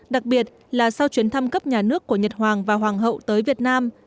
đặc biệt là sau chuyến thăm cấp nhà nước của nhật hoàng và hoàng hậu tới việt nam